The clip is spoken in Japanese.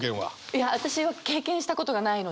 いや私は経験したことがないので。